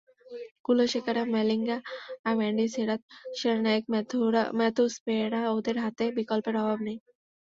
কুলাসেকারা, মালিঙ্গা, মেন্ডিস, হেরাথ, সেনানায়েকে, ম্যাথুস, পেরেরা—ওদের হাতে বিকল্পের অভাব নেই।